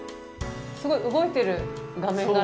すごい動いてる画面がある。